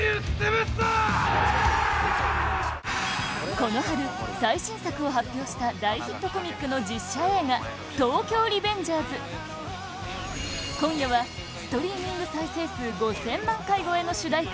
この春、最新作を発表した大ヒットコミックの実写映画「東京リベンジャーズ」今夜はストリーミング再生数５０００万回超えの主題歌